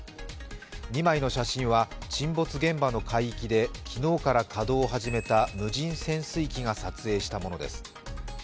２枚の写真は沈没現場の海域で昨日から稼働を始めた無人潜水機が撮影したものです。